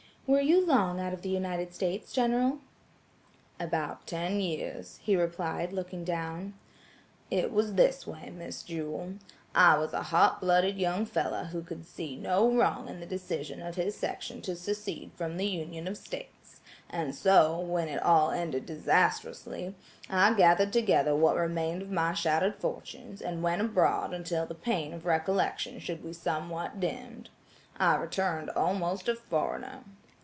"Were you long out of the United States, General?" "About ten years," he replied, looking down. "It was this way, Miss Jewel, I was a hot blooded young fellow who could see no wrong in the decision of his section to secede from the union of states; and so, when it all ended disastrously, I gathered together what remained of my shattered fortunes, and went abroad until the pain of recollection should be somewhat dimmed. I returned almost a foreigner."